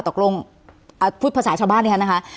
ตกลงพูดภาษาชาวบ้านนะคะ